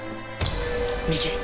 右！